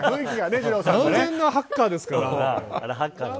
完全なハッカーですから。